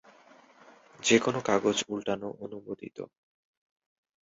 যেখানে কাগজ উল্টানো অনুমোদিত।